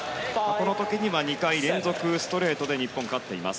その時には２回連続ストレートで日本が勝っています。